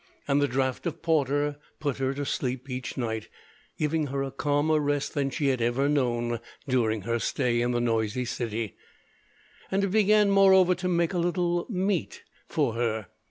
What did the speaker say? And the draught of porter put her to sleep each night, giving her a calmer rest than she had ever known during her stay in the noisy city; and it began, moreover, to make a little "meet" for her.